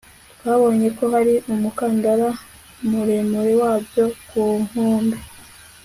twabonye ko hari umukandara muremure wabyo ku nkombe